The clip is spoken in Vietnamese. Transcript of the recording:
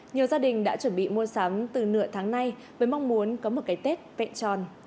nhiều gia đình đã chuẩn bị mua sắm từ nửa tháng nay với mong muốn có một cái tết vẹn tròn